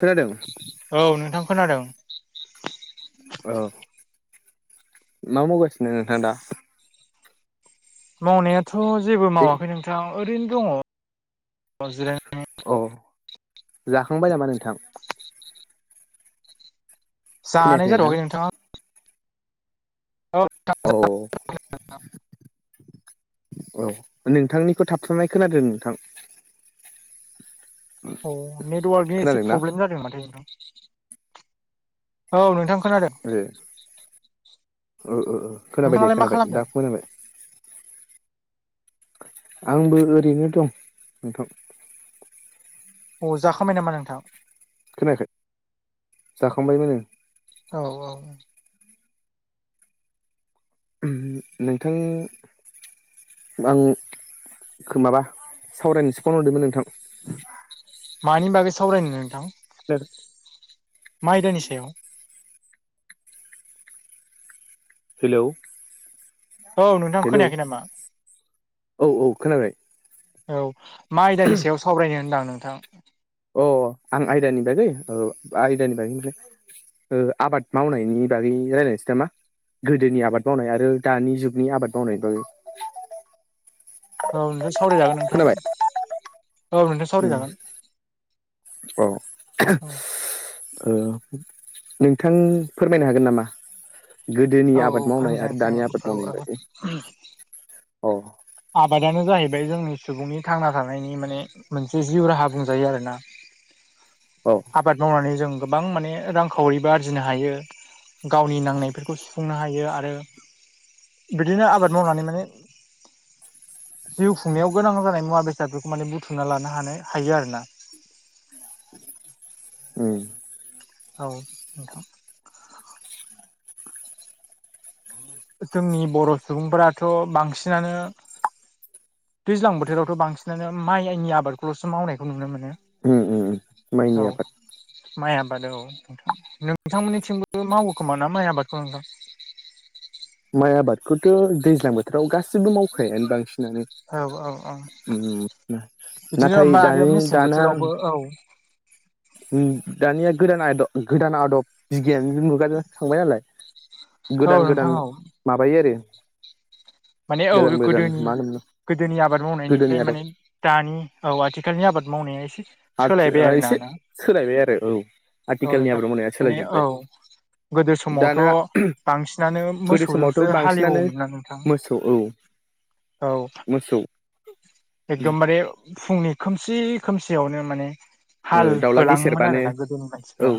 खोनादों? औ नोंथां खोनादों। औ मा मावगासिनो नोंथां दा? मावनायाथ' जेबो मावाखै नोंथां ओरैनो दङ जिराय औ जाखांबाय नामा नोंथां? [inaudible] खोनायाखै जानाय नोंथां जाथ'वाखै नोंथाङा औ औ नोंथांनिखौ थाबथानाय खोनादों नोंथां औ नेटवार्कनि एसे खोनादोंना प्रब्लेम जादों माथो नोंथां। औ नोंथां खोनादों। ओ ओ ओ खोनाबाय दे नोंथाङालाय मा खोनाबाय खालामदों दा खोनाबाय। आंबो ओरैनो दं नोंथां अ जाखांबाय नामा नोंथां? खोनायाखै जाखांबायमोनो औ औ नोंथां आं खो माबा सावरायनोसो फन हरदोंमोन नोंथां। मानि बागै सावरायनो नोंथां? [unintelligible] मा आदानि सायाव? हेलौ औ नोंथां हेलौ खोनायाखै नामा? औ औ खोनाबाय। औ मा आयदानि सायाव सावरायनो होनदों नोंथां? अ आं आयदानि बागै औ आयदानि बागै ओ आबाद मावनायनि बागै रायजलायनोसै नामा? गोदोनि आबाद मावनाय आरो दानि जुगनि आबाद मावनायनि बागै औ नोंथां सावरायजागोन नोंथां खोनाबाय औ नोंथां सावराय उम जागोन औ औ नोंथां फोरमायनो हागोन नामा? गोदोनि औ आबाद मावनाय फोरमायना आरो होनोसै आं दानि आबाद औ औ मावनायनि बायदि अ आबादानो जाहैबाय जोंनि सुबुंनि थांना थानायनि माने मोनसे जिउ राहा बुंजायो आरो ना। औ आबाद मावनानै जों गोबां माने रांखावरिबो आरजिनो हायो। गावनि नांनायफोरखौ सुफुंनो हायो आरो बिदिनो आबाद मावनानै माने जिउ खुंनायाव गोनां जानाय मुवा बेसादफोरखौ माने बुथुमना लानो हानाय हायो आरोना। उम औ नोंथां जोंनि बर' सुबुंफोराथ' बांसिनानो दैज्लां बोथोरावथ' बांसिनानो माइनि आबादखौल'सो मावनायखौ नुनो मोनो। उम उम उम माइनि औ आबाद माइ आबाद औ नोंथां नोंथांमोननिथिंबो मावोखोमा ना माइ आबादखौ नोंथां? माइ आबादखौथ' दैज्लां बोथोराव गासिबो मावखायानो बांसिन नों औ औ औ बिदिनो नाथाय होमबा आरो दानि मेसें दाना [inaudible] बोथोरावबो औ दानिया गोदान आदब गोदान आदब बिगियानजों मुगाजों थांबाय नालाय। औ गोदान नोंथां गोदान औ माबायो आरो माने गोदान औ गोदान गोदोनि मा होनोमोन गोदोनि आबाद गोदोनि मावनायनिफ्राय आदब माने दानि औ आथिखालनि आबाद मावनाया एसे सोलायबाय आरो ना ना सोलायबाय आरो औ औ आथिखालनि नोंथां आबाद मावनाया माने सोलाय औ जोबबाय। गोदो समावथ' बांसिनानो मोसौजोंसो हालेवोमोन ना नोंथां औ औ औ मोसौ एकदमबारे फुंनि खोमसि खोमसियावनो माने ओ हाल दाउला होलाङोमोन गेसेेरबानो आरो ना गोदोनि मानसिफ्रा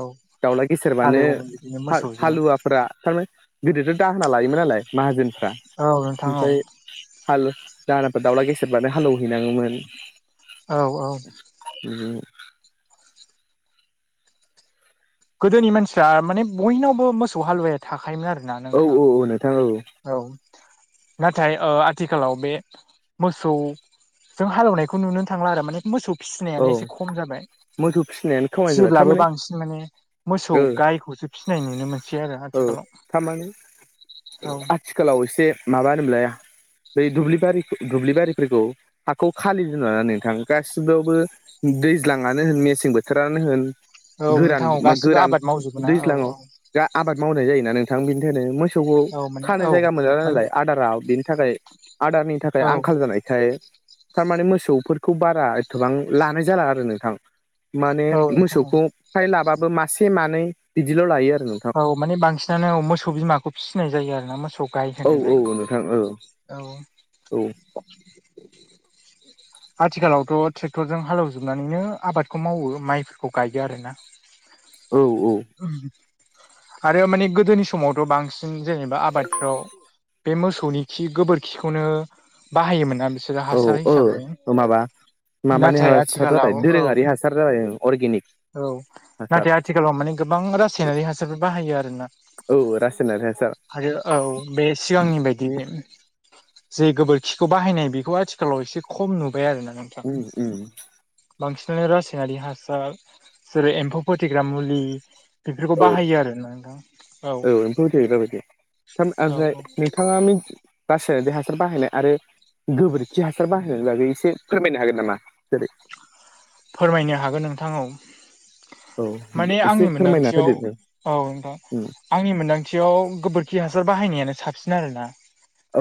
औ दाउला हालेवोमोन बिदिनो मोसौजों फोरा थारमाने गोदोथ' दाहोना लायोमोन नालाय माहाजोनफ्रा औ नोंथां औ ओमफ्राय हाल दाहोनाफोरा दावला गेसेरबानो हालेवहैनाङोमोन औ औ [unintelligible] गोदोनि मानसिफ्रा माने बयनावबो मोसौ हालुवाया थाखायोमोन आरोना औ नोंथां औ औ नोंथां औ औ नाथाय आथिखालाव बे मोसौ जों हालेवनायखौ नुनो थांला आरो माने मोसौ औ फिसिनायानो एसे खम जाबाय मोसौ फिसिनायानो खामानि जाबाय फिसिब्लाबो थारमाने बांसिन माने मोसौ ओ गायखौसो फिसिनाय नुनो मोनसै आरो आथिखालाव थामानि औ आथिखालाव एसे माबा होनोमोनलाय बै दुब्लि बारि दुब्लि बारिफोरखौ हाखौ खालि दोनलाना नोंथां गासियावबो दैज्लांनो होन मेसें बोथोरानो होन औ नोंथां गोरान औ मा गासिबो गोरान आबाद मावजोबो ना औ औ दैज्लाङाव दा आबाद मावनाय जायोना नोंथां बिनि थाखायनो मोसौखौ औ माने खानो औ जायगा मोनला माने नालाय आदारा बेनि थाखाय आदारनि थाखाय औ आंखाल जानायखाय थारमाने मोसौफोरखौ बारा एथबां लानाय जाला आरो नोंथां माने औ नोंथां मोसौखौ फ्राय लाबाबो मासे मानै बिदिल लायो आरो नोंथां औ औ माने बांसिनानो मोसौ बिमाखौ फिसिनाय जायो आरो ना मोसौ गाय औ होनो औ जायखौ नोंथां औ औ औ आथिखालावथ ट्रेक्टरजों हालेवजोबनानैनो आबादखौ मावो माइफोरखौ गायो आरोना औ औ आरो माने गोदोनि समावथ बांसिन जेनेबा आबादफ्राव बे मोसौनि खि गोबोरखिखौनो बाहायोमोनना बिसोर औ औ माबा माबानि नाथाय हासार आथिखालाव जाबाय औ दोरोङारि हासार जाबाय अरगेनिक औ नाथाय आथिखालाव माने गोबां रासायनारि हासारफोर बाहायो आरो ना औ रासायनारि हासार आरो औ बे सिगांनि बायदिनो जे गोबोरखिखौ बाहायनाय बेखौ आथिखालाव एसे खम नुबाय आरोना नों उम उम बांसिनानो रासायनारि हासार जेरै एम्फौ फोथैग्रा मुलि बेफोरखौ औ बाहायो आरोना नोंथां औ [unintelligible] ओमफ्राय औ औ नोंथाङा मिन रासायनारि हासार बाहायनाय आरो गोबोरखि हासार बाहायनायनि बागै एसे फोरमायनो हागोन नामा जेरै फोरमायनो हागोन नोंथां औ औ माने एसे आंनि फोरमायना मोनदांथियाव होदो नों औ नोंथां उम आंनि मोन्दांथियाव गोबोरखि हासार बाहायनायानो साबसिन आरोना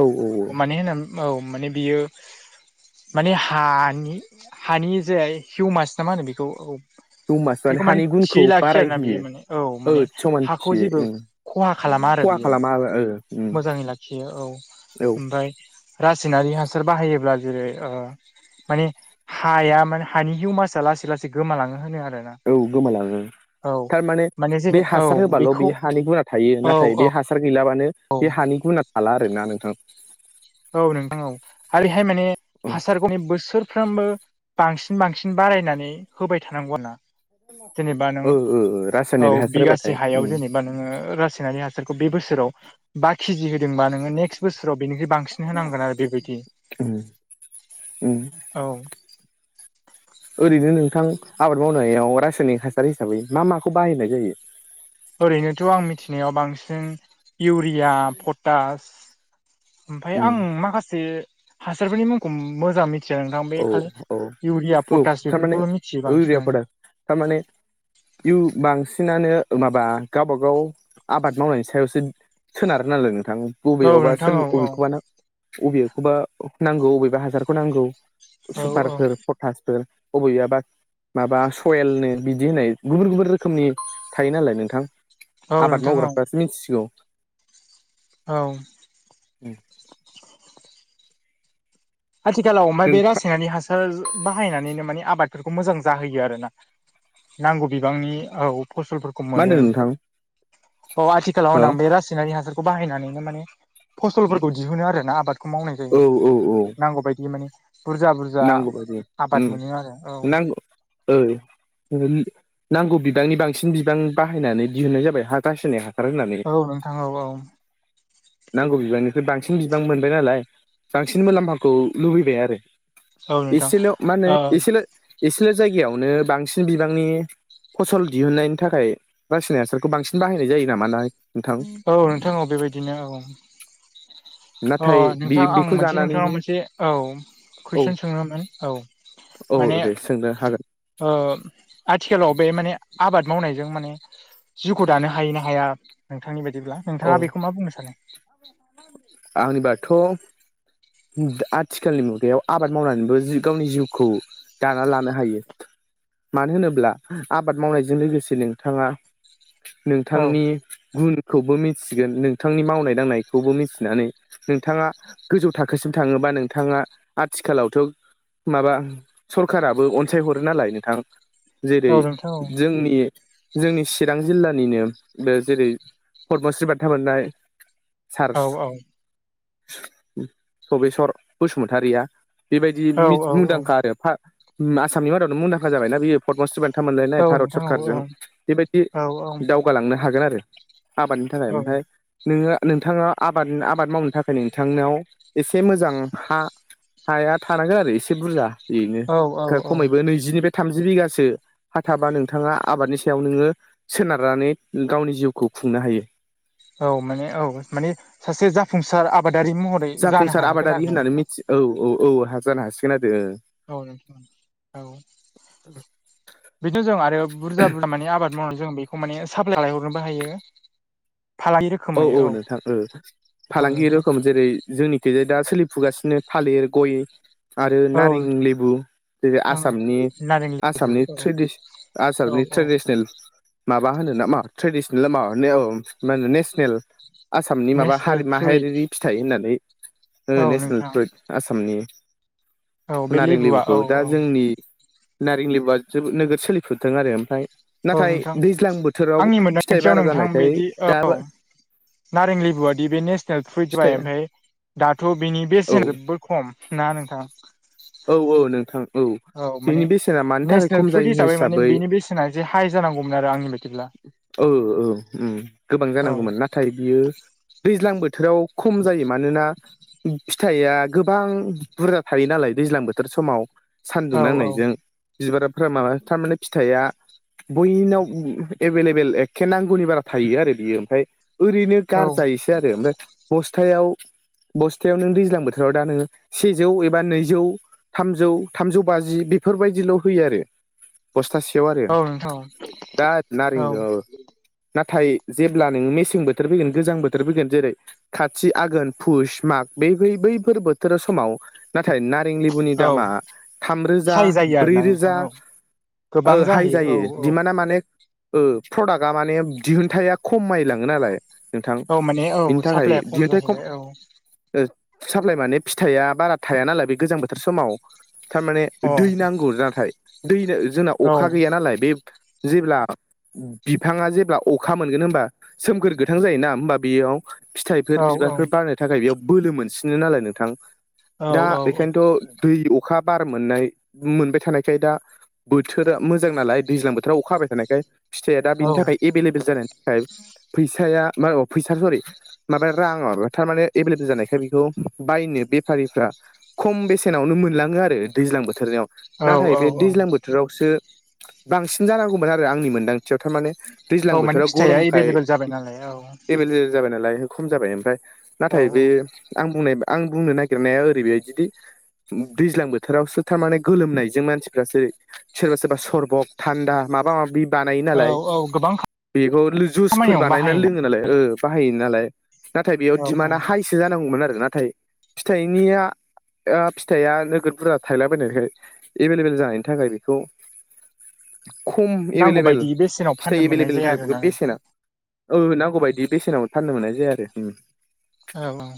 औ औ माने औ माने बियो माने हानि हानि जाय हिउमास नामा होनो बेखौ औ दमास बेखौ माने हानि गुनखौ थियै लाखियो आरोना बियो बारायहोयो माने औ ओ माने हाखौ समानथि जेबो खहा खालामा आरो बियो खालामा ओ उम मोजाङै लाखियो औ औ ओमफ्राय रासायनारि हासार बाहायोब्ला जेरै माने हाया माने हानि हिउमासआ लासै लासै गोमालाङो होनो आरो ना औ गोमालाङो थारमाने माने जेने बे औ हासार होबाल‌ बेखौ बे हानि गुना थायो औ औ नाथाय बे हा हासार गैलाबानो बे हानि गुना थाला आरोना नोंथां। औ नोंथां औ आरोहाय माने ओ हासारखौहाय बोसोरफ्रोमबो बांसिन बांसिन बारायनानै होबाय थानांगौ। जेनेबा नों ओ औ रासायनारि हासार होबाथाय बिगासे हायाव उम जेने बा नोङो रासायनारि बोसोराव बा केजि होदोंबा नोङो नेक्स बोराव बेनिफ्राय बां सिन होनांगोन आरो बेबायदि उम उम औ। ओरैनो नोंथां आबाद मावनायाव रासायनिक हासार हिसाबै मा माखौ बाहायनाय जायो? ओरैनोथ आं मिथिनायाव बांसिन इउरिया पटास ओमफाय उम आं माखासे हासारफोरनि मुंखौ मोजां मिथि या नोंथां बे औ खालि औ इउरिया औ पटास थारमाने बेफोरखौल मिथियो बांसिनानो। थारमाने इय बांसिनानो माबा गावबा गाव आबाद मावनायनि सायावसो सोनारो नालाय नोंथां औ बबेयावबा नोंथां सोर औ औ बबेखौबा नों अबेखौबा नांगौ बबेबा हासारखौ नांगौ। औ औ सुपारफोर पटासफोर बबेबबा माबा सयेलनो बिदि होननाय गुबुन गुबुन रोखोमनि थायो नालाय नोंथां औ आबाद नोंथां औ मावग्राफ्रासो मिथिसिगौ। औ आथिखालाव मा बे नोंथां रासायनारि हासार बाहायनानैनो माने आबादफोरखौ मोजां जाहोयो आरोना। नांगौ बिबांनि औ फसलफोर मा मोनो होनदों नोंथां अ आथिखालाव हो होनां बे रासायनारि हासार खौ बाहायनानैनो माने फसलफोरखौ दिहुनो आऱ ना आबादखौ मावनाय जायो। औ औ औ नांगौबायायदि माने बुरजा बुरजा नांगौ बायदि आबाद मोनो आरो औ। औ नांगौ बिबांनि बांसिन बिबां बाहायनानै दिहुननाय जाबाय हा गास्रिनाया औ नोंथां औ औ। नांगौ बिबांनिफ्राय बांसिन बिबां मोनबाय नालाय बांसिन मुलाम्फाखौ लुबैबाय आरो। औ नोंथां एसेल' मा होनो एसेल' एसेल' जायगायावनो बांसिन बिबांनि फसल दिहुनन्नायनि थाखाय रासायनिक हासारखौ बांसिन बाहायनाय जायो नामा ना। नोंथां औ नोंथां औ बेबायदिनो औ। अ नाथाय बे नोंथां आं बेखौ मोनसे जानानैनो नोंथांनाव मोनसे औ औ कुइसन सोमोन औ। औ माने दे सोंनो हागोन। आथिखालाव बे माने आबाद मावनायजों माने जिउखौ दानो हायो ना हाया नोंथांनि बायदिब्ला औ नोंथाङा बेखौ मा बुंनो सानो? आंनिबाथ' आथिखालनि मुगायाव आबाद मावनानैबो गावनि जिउखौ दाना लानो हायो मानो होनोब्ला आबाद मावनायजों लोगोसे नोंथाङा औ नोंथांनि गुनखौबो मिथिगोन नोंथांनि मावनाय दांनाय बे खौबो मिथिनानै नोंथाङा गोजौ थाखोसिम थाङोबा नोंथाङा आथिखालावथ' माबा सरखाराराबो अनसाय हरो नालाय नोंथां जेरै औ नोंथां औ जोंनि जोंनि चिरां जिल्लानिनो बे जेरै पदमश्रि बान्था मोननाय सार औ औ सबेस्वर बसुमतारिया बेबायदि औ औ औ मुंदांखा आरो आसामनि मादावनो मुंदांखा जाबायना बियो। पदमस्री बान्था मोनलायनाय औ भारत नोंथां औ सरकारजों औ बेबायदि औ दावगालांनो हागोन आरो आबादनि थाखाय औ ओमफ्राय नोङो नोंथाङा आबाद आबाद मावनो थाखाय नोंथांनाव एसे मोजां हा हाया थानांगोन आरो एसे बुरजा औ बेनो औ खमैबो नैजिनिफ्राय थामजि बिगासो। हाथाबा नोंथाङा आबादनि सायाव नोङो सोनारनानै गावनि जिउखौ खुंनो हायो। औ माने औ माने सासे जाफुंसार आबादारि महरै जानो जाफुंसार हाहैगोन आबादारि आरो ना होननानै नोंथां मिथि औ औ औ जानो हासिगोन आरो। औ औ। औ। बिदिनो जों आरो बुरजा बुरजा माने आबाद मावनानै जों बेखौ माने साप्लाय लायहरनोबो हायो। फालायो औ औ नोंथां फालांगि नोंथां रोखोम जेरै जोंनिख जाय दा सोलिफुगासिनो थालिर गय आरो औ नारें लेबु जेरै नोंथां औ आसामनि नारें लेबु आसामनि औ औ आसामनि औ ट्रेडिसनेल माबा होनो ना मा ट्रेडिसनेल माबा मा होनो नेसनेल आसामनि माबा नेसनेल हारि फ्रुइट माहायारि फिथाइ होननानै औ नेसनेल नोंथां फ्रुइद आसामनि औ बे नारें लेबुआ लेबुखौ औ दा औ जोंनि नारें लेबा जो नोगोद सोलिफुदों आरो ओमफ्राय औ नाथाय नोंथां दैज्लां बोथोराव आंनि फिथाइ मोनदांथियाव बारा नोंथां जानायखाय बिदि औ दा नारें लेबुआादि बे नेसनेल फ्रुइट जाबाय फिथाइ ओमफ्राय दाथ' बिनि औ बेसेन खम ना नोंथां। औ औ नोंथां। औ माने बेनि बेसेना मानि थाखाय नेसनेल खम फुट जायो हिसाबै माने बेनि बेसेना एसे हाइ जानांगौमोन आरो आंनि बायदिब्ला औ औ गोबां औ जानांगौमोन नाथाय बियो। दैज्लां बोथोराव खम जायो मानोना। फिथाइया गोबां बुरजा थायो नालाय। दैज्लां बोथोर समाव सानदुं औ नांनायजों बिबाराफ्रा माबा थारमाने फिथाइया बयनाव एभेलेबेल एखे नांगौनि बारा थायो आरो बियो ओमफ्राय ओरैनो औ गारजायोसो आरो। ओमफ्राय बस्थायाव नों दैज्लां बोथोराव दा नोङो सेजौ एबा नैजौ थामजौ थामजौ बाजि बेफोरबायदिल' होयो आरो बस्थासेयाव आरो औ नोंथां दा नारें दो औ। नाथाय जेब्ला नोङो मेसें बोथोर फैगोन गोजां बोथोर फैगोन जेरै खाथि आघोन फुस माग बेै बैफोर बोथोर समाव नाथाय ना नारें लेबुनि औ औ दामा थाम रोजा हाइ जायो ब्रै आरोना नोंथां रोजा औ गोबां ओ हाइ जाहैयो जायो औ औ दिमाना माने प्रडाक्टआ माने दिहुनथाया खमाय लाङो नालाय नोंथां औ माने औ बिनि थाखाय साप्लाया दिहोथाय खम जाहैबाय औ साप्लाय माने फिथाइया बारा थाया नालाय बे गोजां बोथोर समाव थारमाने अ दै नांगौ नाथाय दैनो जोंना औ अखा गैया नालाय बे जेब्ला बिफाङा जेब्ला अखा मोनगोन होनबा सोमखोर गोथां जायोना होमबा बेयाव औ फिथाइफोर बिबारफोर बारनो थाखाय बेयाव बोलो मोनसिनो नालाय नोंथां औ दा औ औ बेखायनोथ' दै अखा बार मोननाय मोनबाय थानायखाय दा बोथोरा मोजां नालाय दैज्लां बोथोराव अखा हाबाय थानायखाय फिथाइया दा बिनि थाखाय एभेलेबेल जानायनि थाखाय फैसाया मा फैसा [unintelligible] माबा राङा थारमाने एभेलेबेल जानायखाय बेखौ बायनो बेफारिफ्रा खम बेसेनावनो मोनलाङो आरो दैज्लां बोथोराव औ नाथाय बे औ दैज्लां बोथोरावसो बांसिन जानांगौमोन आरो आंनि मोनदांथियाव थारमाने दैज्लां औ माने बोथोराव फिथाइआ गरमखाय एभेलेबेल जाबाय नालाय औ एभेलेबेल जाबाय नालाय खम जाबाय ओमफ्राय औ नाथाय बे आं बुंनाय आं बुंनो नागिरनाया ओरैबाय दि दैज्लां बोथोरावसो थारमाने गोलोमनायजों मानसिफ्रासो सोरबा सोरबा सरबक थान्दा माबा माबिथ बानायो औ नालाय औ गोबां बेखौ जुसफोर खामानियावनो बानायनानै बाहायोना लोङो नालाय बाहायो नालाय नाथाय बेयाव औ औ दिमानदा हाइसो जानांगौमोन आरो नाथाय फिथाइनिया फिथाइया नोगोद बुरजा थायलाबायनायखाय एभेलेबेल जानायनि थाखाय बेखौ खम नांगौ एभेलेबेल बायदि बेसेनाव फाननो फिथाइ मोननाय एभेलेबेलनि जाया थाखाय आरोना बेखौ नोंथां बेसेना औ नांगौबादि बेसेनावबो फाननो मोननाय जाया आरो ओम औ [unintelligible]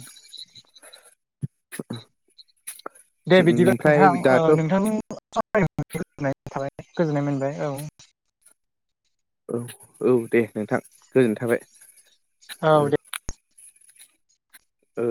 [unintelligible] दे बिदिबा नोंथां दाथ' नोंथांजों सावरायनानै गोजोननाय थाबाय गोजोननाय मोनबाय औ औ औ दे नोंथां गोजोननाय थाबाय औ दे ओ